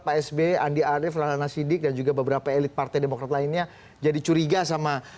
pak sb andi arief rala nasidik dan juga beberapa elit partai demokrat lainnya jadi curiga sama